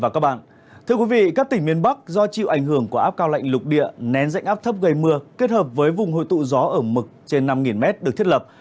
các tỉnh miền bắc do chịu ảnh hưởng của áp cao lạnh lục địa nén dạnh áp thấp gây mưa kết hợp với vùng hội tụ gió ở mực trên năm m được thiết lập